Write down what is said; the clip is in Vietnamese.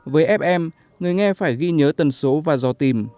với fm người nghe phải ghi nhớ tần số và dò tìm